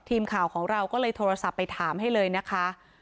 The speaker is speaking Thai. ทีมข่าวของเราก็เลยโทรศัพท์ไปถามให้เลยนะคะ